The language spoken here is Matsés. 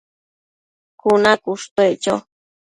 cuna cushtuec cho